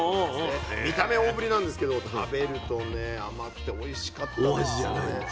見た目大ぶりなんですけど食べるとね甘くておいしかったんですよね。